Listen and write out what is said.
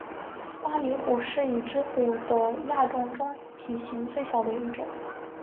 巴厘虎是已知虎的亚种中体型最小的一种。